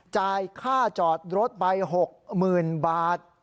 จ่ายค่าจอดรถไป๖หมื่นบาท